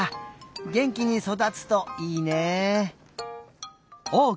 げんきにそだつといいね。